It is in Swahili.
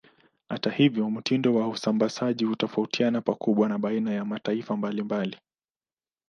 Hata hivyo, mtindo wa usambazaji hutofautiana pakubwa baina ya mataifa mbalimbali.